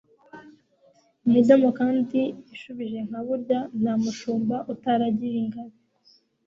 Imidomo kandi ishubije nka burya Nta mushumba utaragiye Ingabe,